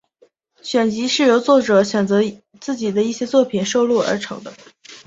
选集是由作者选择自己的一些作品收录而成的。